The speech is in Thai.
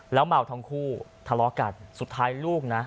แล้วเมาทั้งคู่ทะเลาะกันสุดท้ายลูกนะ